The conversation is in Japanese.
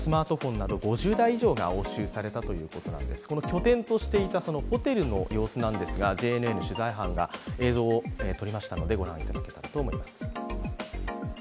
拠点としていたホテルの様子なんですがＪＮＮの取材班が映像を撮りましたのでご覧いただきたいと思います。